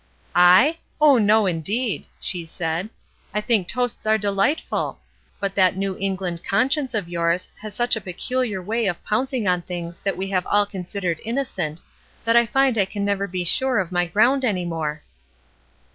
'a ? Oh, no, indeed !'' she said, *' I think toasts are dehghtful. But that New England conscience of yours has such a peculiar way of pouncing on things that we have all considered innocent, that I find I can never be sure of my ground any more.'